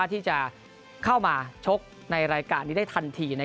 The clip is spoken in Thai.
ที่จะเข้ามาชกในรายการนี้ได้ทันที